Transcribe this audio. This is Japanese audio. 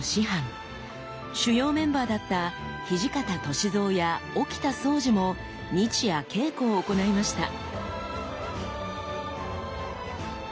主要メンバーだった土方歳三や沖田総司も日夜稽古を行いました。